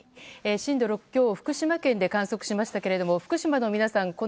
震度６強を福島県で観測しましたけども福島の皆さん